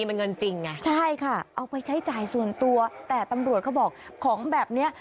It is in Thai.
มันเงินจริงไงใช่ค่ะเอาไปใช้จ่ายส่วนตัวแต่ตำรวจเขาบอกของแบบเนี้ย